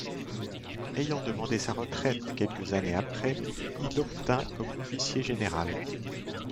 Ayant demandé sa retraite quelques années après, il l'obtint comme officier général.